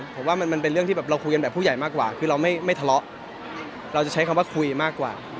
ผมว่ามันเป็นเรื่องที่แบบเราคุยกันแบบผู้ใหญ่มากกว่าคือเราไม่ทะเลาะเราจะใช้คำว่าคุยมากกว่า